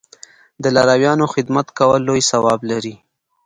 د لارویانو خدمت کول لوی ثواب لري.